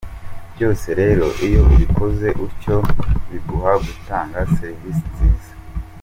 Byose rero iyo ubikoze utyo biguha gutanga serivisi nziza.